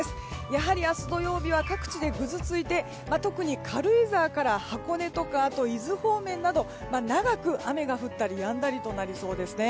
やはり明日土曜日は各地でぐずついて特に軽井沢から箱根とかあと伊豆方面など長く雨が降ったりやんだりとなりそうです。